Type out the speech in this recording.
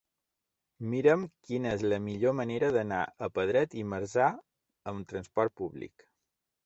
Mira'm quina és la millor manera d'anar a Pedret i Marzà amb trasport públic.